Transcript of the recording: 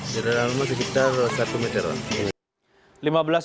di dalam rumah sekitar satu meter